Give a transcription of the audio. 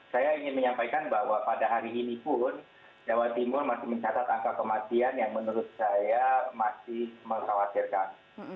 saya ingin menyampaikan bahwa pada hari ini pun jawa timur masih mencatat angka kematian yang menurut saya masih mengkhawatirkan